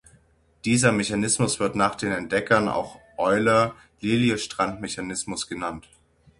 Dieser Mechanismus wird nach den Entdeckern auch Euler-Liljestrand-Mechanismus genannt.